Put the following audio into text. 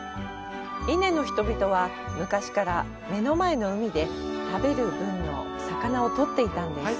伊根の人々は、昔から目の前の海で食べる分の魚を取っていたんです。